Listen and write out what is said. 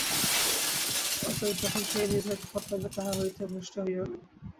অতএব যখন সেই নির্ধারিত পথ পাইবে, তাহা হইতে ভ্রষ্ট হইও না।